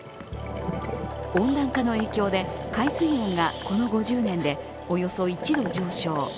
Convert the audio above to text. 温暖化の影響で海水温がこの５０年でおよそ１度上昇。